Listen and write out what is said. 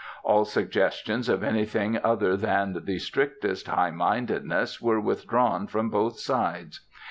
All suggestions of anything other than the strictest high mindedness were withdrawn from both sides.